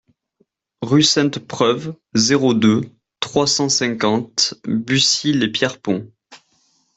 Rue Sainte-Preuve, zéro deux, trois cent cinquante Bucy-lès-Pierrepont